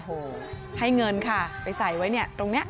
โอ้โหให้เงินค่ะไปใส่ไว้เนี่ยตรงนี้